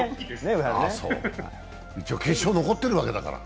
一応、決勝に残っているわけだから。